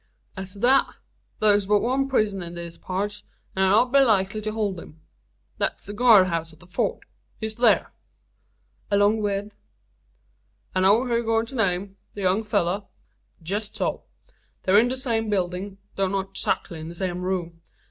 As to thet, thur's but one prison in these parts, as 'ud be likely to hold him. Thet is the guard house at the Fort. He's thur." "Along with " "I know who ye're goin' to name the young fellur. Jest so. They're in the same buildin', tho' not 'zackly in the same room.